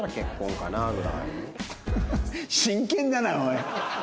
真剣だなおい。